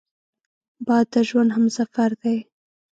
باد د ژوند همسفر دی